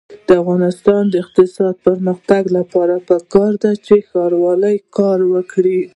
د افغانستان د اقتصادي پرمختګ لپاره پکار ده چې ښاروالي کار وکړي.